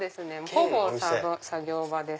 ほぼ作業場です。